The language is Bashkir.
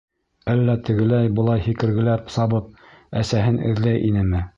Әллә тегеләй-былай һикергеләп сабып әсәһен эҙләй инеме?